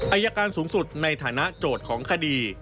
อายการสูงสุดในฐานะโจทย์ของคดี